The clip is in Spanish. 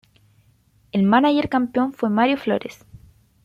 El mánager campeón fue Mario Flores.